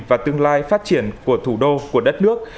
và tương lai phát triển của thủ đô của đất nước